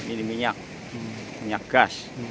ini minyak minyak gas